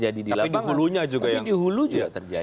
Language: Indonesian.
jadi di labang tapi di hulu juga